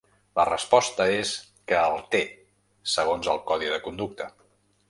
La resposta és que el té, segons el codi de conducta.